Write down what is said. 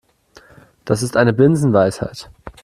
Das ist eine Binsenweisheit.